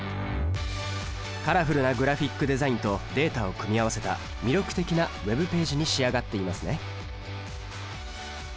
カラフルなグラフィックデザインとデータを組み合わせた魅力的なＷｅｂページに仕上がっていますね。